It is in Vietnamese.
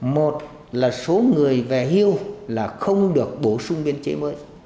một là số người về hưu là không được bổ sung biên chế mới